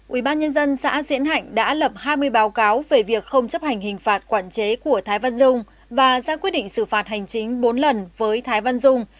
ubnd xã diễn hạnh đã lập hai mươi báo cáo về việc không chấp hành hình phạt quản chế của thái văn dung và ra quyết định xử phạt hành chính bốn lần với thái văn dung